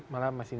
malam mas indra